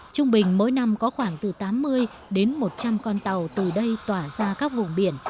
trung bình mỗi năm có khoảng từ tám mươi đến một trăm linh con tàu từ đây tỏa ra các vùng biển